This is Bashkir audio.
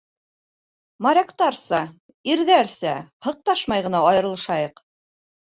Моряктарса, ирҙәрсә, һыҡташмай ғына айырылышайыҡ.